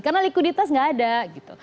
karena likuditas tidak ada